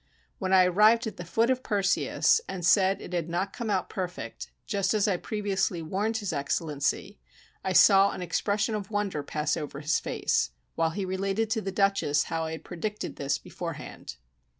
When I arrived at the foot of Perseus, and said it had not come out perfect, just as I previously warned his Excellency, I saw an expression of wonder pass over his face, while he related to the Duchess how I had predicted this beforehand.